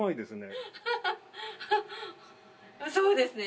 そうですね。